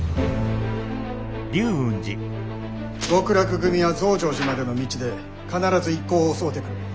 極楽組は増上寺までの道で必ず一行を襲うてくる。